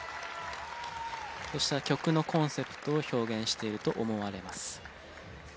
そうした曲のコンセプトを表現していると思われます。